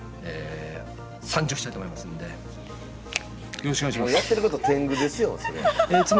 よろしくお願いします！